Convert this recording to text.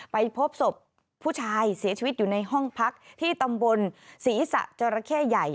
ไปพบศพผู้ชายเสียชีวิตอยู่ในห้องพักที่ตำบลศรีษะจราเข้ใหญ่